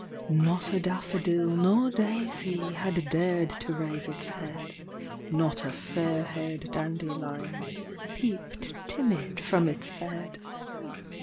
Not a daffodil nor daisy Had dared to raise its head; Not a fairhaired dandelion Peeped timid from its bed; THE CROCUSES.